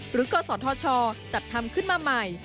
หรือก็สทชจัดทำขึ้นมาใหม่